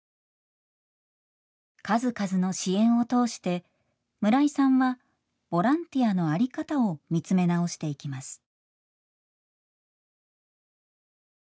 数々の支援を通して村井さんはボランティアの在り方を見つめ直していきます。